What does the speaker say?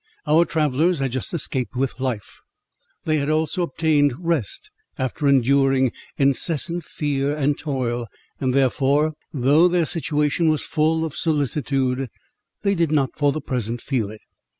Our travellers had just escaped with life: they had also obtained rest, after enduring incessant fear and toil; therefore, though their situation was full of solicitude, they did not for the present, feel it.